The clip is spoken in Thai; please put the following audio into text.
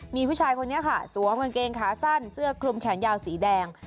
มีผู้ชายคนนี้ค่ะสวมกางเกงขาสั้นเสื้อคลุมแขนยาวสีแดง